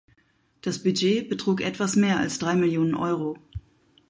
Das Budget betrug etwas mehr als drei Millionen Euro.